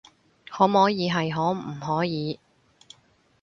可摸耳係可唔可以